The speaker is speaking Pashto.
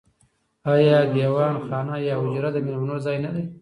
آیا دیوان خانه یا حجره د میلمنو ځای نه دی؟